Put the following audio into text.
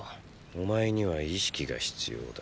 お前には意識が必要だ。